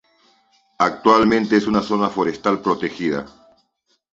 Actualmente es zona forestal protegida.